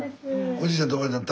おじいちゃんとおばあちゃん